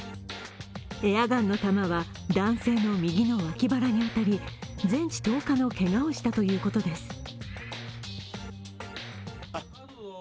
エアガンの弾は男性の右の脇腹に当たり、全治１０日のけがをしたということです。